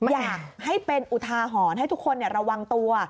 อยากให้เป็นอุทาหรณ์ให้ทุกคนระวังตัว